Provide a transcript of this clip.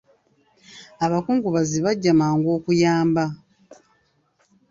Abakungubazi bajja mangu okuyamba.